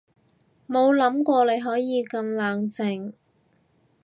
冇諗過你可以咁冷靜